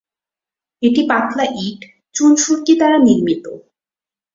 এটি পাতলা ইট, চুন-সুরকি দ্বারা নির্মিত।